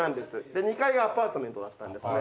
で２階がアパートメントだったんですね。